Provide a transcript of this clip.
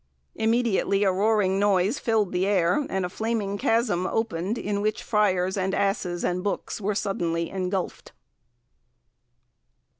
Immediately, a roaring noise filled the air, and a flaming chasm opened in which friars, and asses and books were suddenly engulphed."